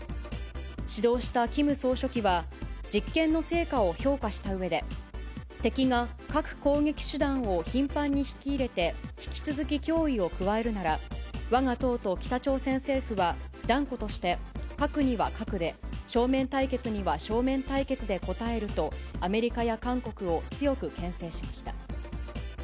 指導したキム総書記は、実験の成果を評価したうえで、敵が核攻撃手段を頻繁に引き入れて引き続き脅威を加えるなら、わが党と北朝鮮政府は断固として核には核で、正面対決には正面対決で応えると、アメリカや韓国を強くけん制しました。